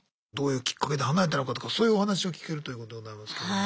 どういうきっかけで離れたのかとかそういうお話を聞けるということになりますけど。